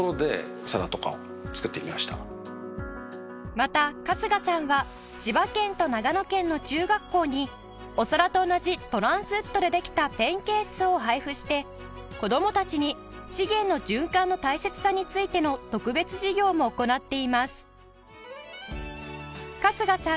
また春日さんは千葉県と長野県の中学校にお皿と同じトランスウッドでできたペンケースを配布して子供たちに資源の循環の大切さについての特別授業も行っています